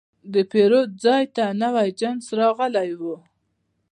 د پیرود ځای ته نوی جنس راغلی و.